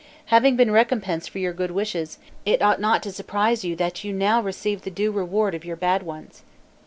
Having been recompensed for your good wishes, it ought not to surprise you that you now receive the due reward of your bad ones.